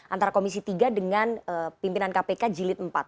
antara komisi tiga dengan pimpinan kpk jilid empat